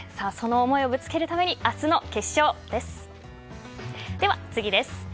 その思いをぶつけるために明日の決勝です。